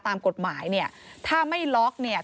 ตามกฎหมายเนี่ยถ้าไม่ล็อกเนี่ย